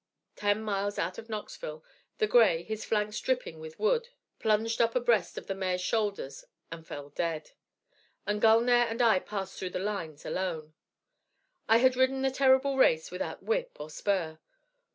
Ten miles out of Knoxville the gray, his flanks dripping with Wood, plunged up abreast of the mare's shoulders and fell dead; and Gulnare and I passed through the lines alone. _I had ridden the terrible race without whip or spur.